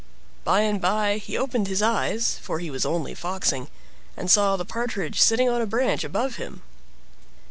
By and by he opened his eyes—for he was only foxing—and saw the Partridge sitting on a branch above him.